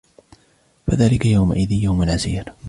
فَذَلِكَ يَوْمَئِذٍ يَوْمٌ عَسِيرٌ